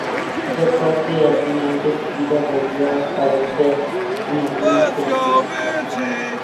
Ya casi al final de su vida, volvió a aparecer en algunas películas.